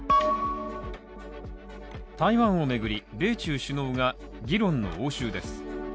台湾を巡り、米中首脳が議論の応酬です。